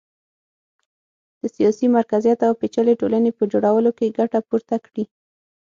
د سیاسي مرکزیت او پېچلې ټولنې په جوړولو کې ګټه پورته کړي